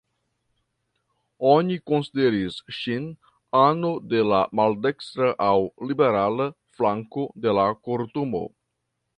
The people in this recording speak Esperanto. Oni konsideris ŝin ano de la "maldekstra" aŭ "liberala" flanko de la Kortumo.